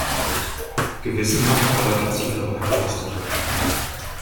Gewissenhaft arbeitet sie ihre Packliste ab.